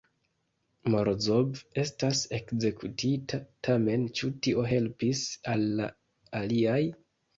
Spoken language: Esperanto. Morozov estas ekzekutita, tamen ĉu tio helpis al la aliaj?